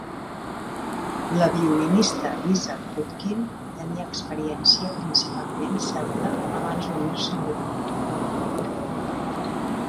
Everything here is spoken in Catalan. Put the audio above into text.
La violinista Lisa Gutkin tenia experiència principalment celta abans d'unir-se al grup.